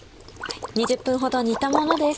２０分ほど煮たものです。